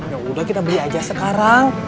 ya udah kita beli aja sekarang